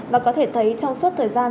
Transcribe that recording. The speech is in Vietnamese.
và có thể thấy trong suốt thời gian